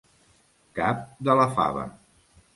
Cap de la fava.